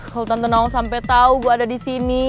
kalau tante nawang sampai tahu gue ada di sini